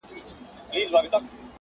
o یاره بس چي له مقامه را سوه سم,